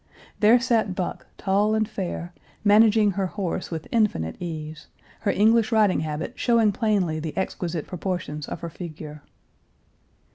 There sat Buck tall and fair, managing her horse with infinite ease, her English riding habit showing plainly the exquisite proportions of her figure.